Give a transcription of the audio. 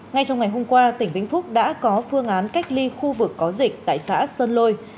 ngay trong ngày hôm qua tỉnh vĩnh phúc đã có phương án cách ly khu vực có dịch tại xã sơn lôi